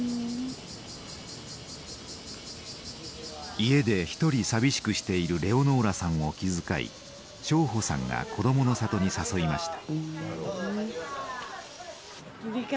家で１人寂しくしているレオノーラさんを気遣い荘保さんが「こどもの里」に誘いました。